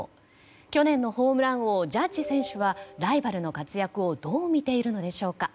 去年のホームラン王ジャッジ選手はライバルの活躍をどう見ているのでしょうか。